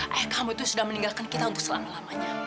akhirnya kamu itu sudah meninggalkan kita untuk selama lamanya